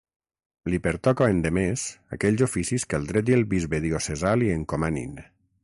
Li pertoca endemés aquells oficis que el dret i el bisbe diocesà li encomanin.